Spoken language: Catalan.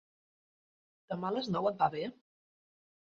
Demà a les nou et va bé?